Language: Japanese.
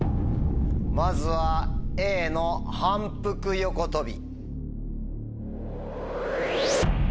まずはＡの反復横とび。